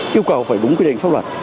yêu cầu phải đúng quy định pháp luật